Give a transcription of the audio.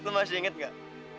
lo masih inget gak